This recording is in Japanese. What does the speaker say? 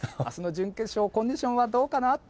あすの準決勝、コンディションはどうかな？